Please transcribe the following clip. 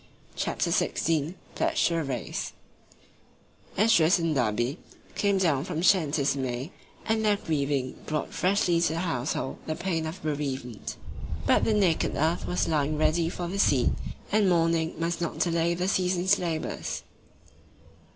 CHAPTER XVI PLEDGED TO THE RACE ESDRAS and Da'Be came down from the shanties in May, and their grieving brought freshly to the household the pain of bereavement. But the naked earth was lying ready for the seed, and mourning must not delay the season's labours.